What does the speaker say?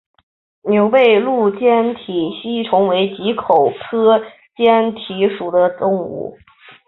牛背鹭坚体吸虫为棘口科坚体属的动物。